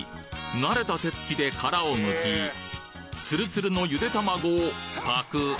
慣れた手つきで殻をむきツルツルのゆで卵をパクッ。